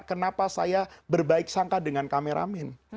kenapa saya berbaik sangka dengan kameramen